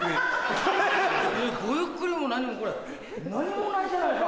ごゆっくりも何もこれ何もないじゃないか！